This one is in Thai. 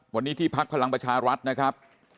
วันนี้ที่พักพลังประชารัฐนะครับ